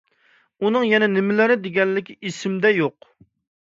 ئۇنىڭ يەنە نېمىلەرنى دېگەنلىكى ئېسىمدە يوق.